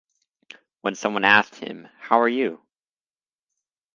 When someone asked him, How are you?